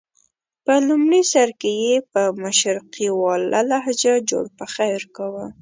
په لومړي سر کې یې په مشرقیواله لهجه جوړ پخیر کاوه.